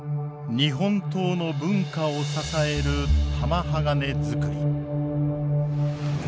日本刀の文化を支える玉鋼づくり。